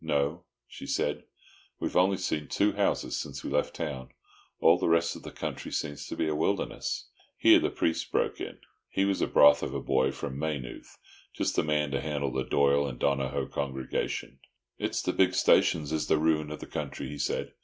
"No," she said, "we've only seen two houses since we left the town. All the rest of the country seems to be a wilderness." Here the priest broke in. He was a broth of a boy from Maynooth, just the man to handle the Doyle and Donohoe congregation. "It's the big stations is the roon of the country," he said.